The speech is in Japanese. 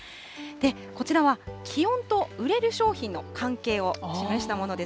こちらは気温と売れる商品の関係を示したものです。